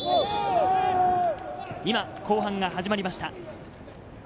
今、後半が始まりました。